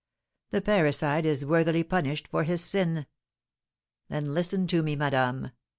The parricide is worthily punished for his sin! Then, listen to me, madame!